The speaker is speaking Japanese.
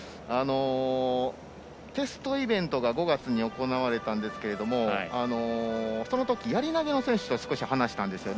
テストイベントが５月に行われたんですけれどもそのとき、やり投げの選手と少し話したんです。